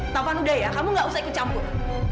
taufan udah ya kamu nggak usah ikut campur